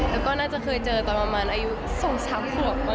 แล้วก็น่าจะเคยเจอตอนประมาณอายุ๒๓ขวบกว่า